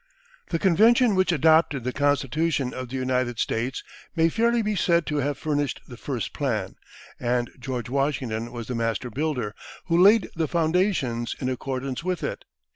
The convention which adopted the Constitution of the United States may fairly be said to have furnished the first plan, and George Washington was the master builder who laid the foundations in accordance with it.